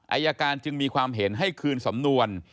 อายการจึงมีความเห็นให้คืนสำนวน